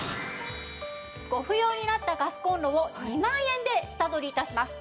ご不要になったガスコンロを２万円で下取り致します。